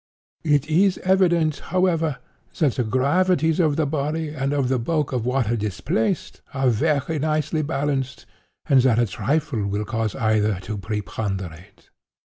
It is evident, however, that the gravities of the body, and of the bulk of water displaced, are very nicely balanced, and that a trifle will cause either to preponderate.